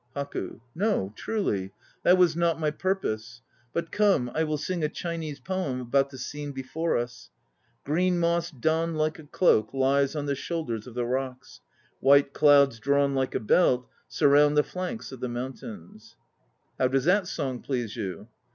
HAKU. No, truly; that was not my purpose. But come, I will sing a Chinese poem about the scene before us. "Green moss donned like a cloak Lies on the shoulders of the rocks; White clouds drawn like a belt Surround the flanks of the mountains." How does that song please you?